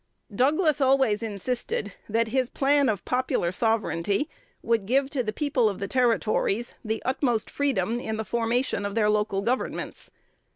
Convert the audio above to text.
Douglas always insisted that his plan of "popular sovereignty" would give to the people of the Territories the utmost freedom in the formation of their local governments.